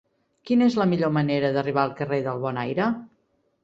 Quina és la millor manera d'arribar al carrer del Bonaire?